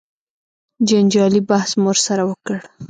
جنجالي بحث مو ورسره وکړ.